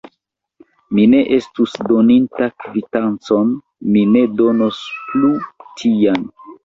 Mi ne estus doninta kvitancon: mi ne donos plu tian.